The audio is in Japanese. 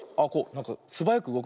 なんかすばやくうごくね。